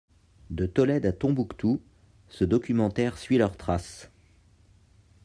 De Tolède à Tombouctou, ce documentaire suit leurs traces.